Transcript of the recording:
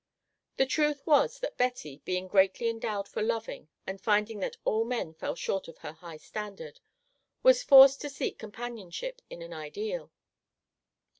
The truth was that Betty, being greatly endowed for loving and finding that all men fell short of her high standard, was forced to seek companionship in an ideal.